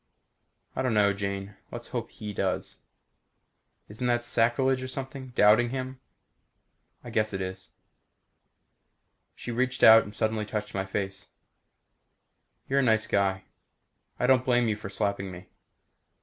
"I don't know, Jane. Let's hope He does." "Isn't that sacrilege or something? Doubting Him?" "I guess it is." She reached out suddenly and touched my face. "You're a nice guy. I don't blame you for slapping me."